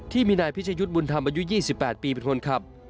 ที่มีนายพิชยุทธ์บุญธรรมอายุ๒๘ปีเป็นคนขับ